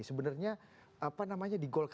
sebenarnya apa namanya di golkar